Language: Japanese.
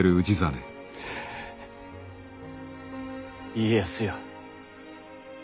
家康よ。